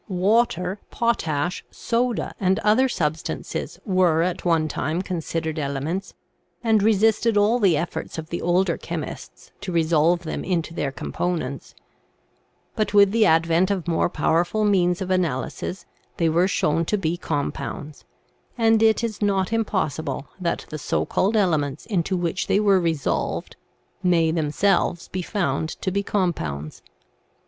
Water, potash, soda, and other substances, were at one time considered elements, and resisted all the efforts of the older chemists to resolve them into their components, but with the advent of more powerful means of analysis they were shown to be compounds, and it is not impossible that the so called elements into which they were resolved may themselves be found to be compounds.